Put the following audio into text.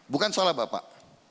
bukan salah bapak